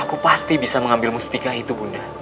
aku pasti bisa mengambil mustika itu bunda